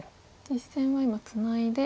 実戦は今ツナいで